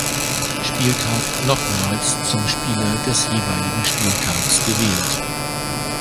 Spieltag nochmals zum Spieler des jeweiligen Spieltags gewählt.